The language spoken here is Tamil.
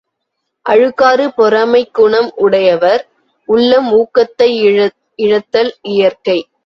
அழுக்காறு பொறாமைக் குணம் உடையவர் உள்ளம் ஊக்கத்தை இழத்தல் இயற்கை.